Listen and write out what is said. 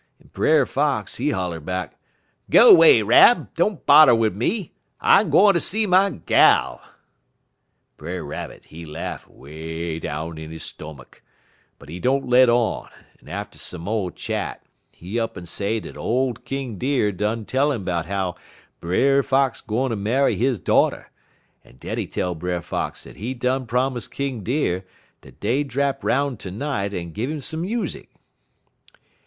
"En Brer Fox, he holler back: "'Go 'way, Rab; don't bodder wid me. I'm gwine fer ter see my gal.' "Brer Rabbit, he laugh 'way down in his stomach, but he don't let on, en atter some mo' chat, he up'n say dat ole King Deer done tell 'im 'bout how Brer Fox gwine ter marry he daughter, en den he tell Brer Fox dat he done promise King Deer dat dey'd drap 'roun' ter night en gin 'im some music.